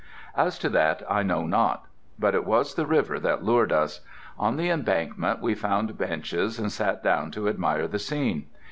As to that I know not. But it was the river that lured us. On the embankment we found benches and sat down to admire the scene.